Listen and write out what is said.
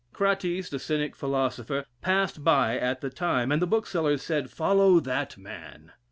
Crates, the Cynic philosopher, passed by at the time, and the bookseller said, "Follow that man!"